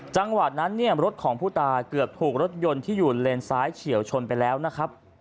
จังหวะนั้นเนี่ยรถของผู้ตายเกือบถูกรถยนต์ที่อยู่เลนซ้ายเฉียวชนไปแล้วนะครับ